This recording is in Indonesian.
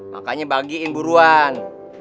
makanya bagiin buruan